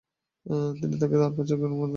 তিনি তাঁকে আর পাচকের কাজ করতে দেননি।